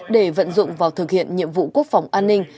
để vận dụng vào thực hiện nhiệm vụ quốc phòng an ninh